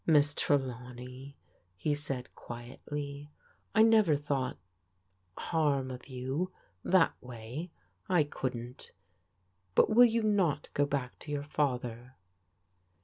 " Miss Trelawney," he said quietly, " I never thought —harm of you, — that way. I couldn't But will you not go back to your father?